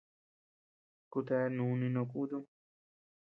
Kutea núni no kutum.